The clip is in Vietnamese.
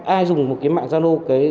ai dùng một cái mạng zano